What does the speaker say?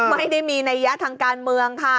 ไม่ได้มีนัยยะทางการเมืองค่ะ